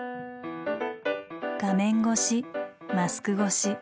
画面越しマスク越し。